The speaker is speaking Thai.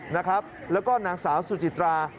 นะครับแล้วก็นางสาวสุจิตรา